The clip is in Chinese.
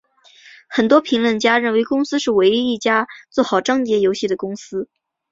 许多评论家认为公司是唯一一家做好章节游戏的公司。